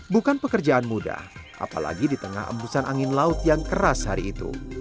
bukan pekerjaan mudah apalagi di tengah embusan angin laut yang keras hari itu